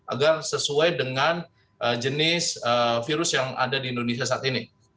agar sesuai dengan jenis virus yang ada di indonesia saat ini